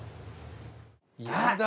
やだ！